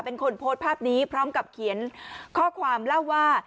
เป็นคนโพสต์ภาพนี้พร้อมกับเขียนข้อความเล่าว่า